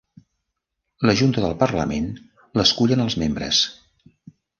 La junta del parlament l'escullen els membres.